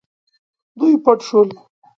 دوی پټ شول.